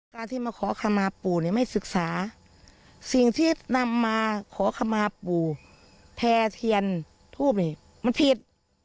การที่มาขอคำมาปู่เนี่ยไม่ศึกษาสิ่งที่นำมาขอขมาปู่แพร่เทียนทูปนี่มันผิด